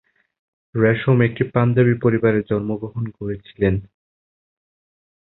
রেশম একটি পাঞ্জাবি পরিবারে জন্মগ্রহণ করেছিলেন।